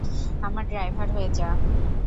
আমার ড্রাইভার হয়ে যা।